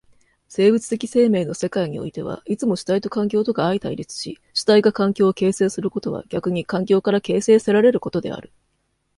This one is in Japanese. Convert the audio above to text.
生物的生命の世界においてはいつも主体と環境とが相対立し、主体が環境を形成することは逆に環境から形成せられることである。